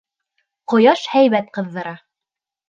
Ҡояш һәйбәт ҡыҙҙыра.